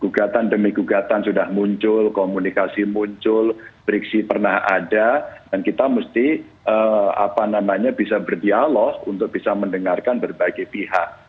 gugatan demi gugatan sudah muncul komunikasi muncul briksi pernah ada dan kita mesti bisa berdialog untuk bisa mendengarkan berbagai pihak